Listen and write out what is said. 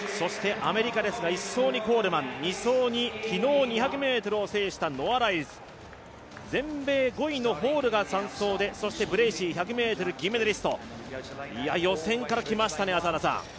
アメリカですが、１走にコールマン、２走に昨日２００ｍを制したライルズ全米５位のホールが３走でそしてブレーシー、１００ｍ銀メダリスト、予選からきましたね、朝原さん。